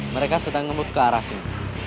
mereka sedang ngemut ke arah sini